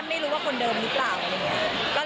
ทำแล้วเอาเงินไปทำอะไร